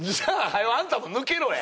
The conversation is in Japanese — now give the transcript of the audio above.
早うあんたも抜けろや！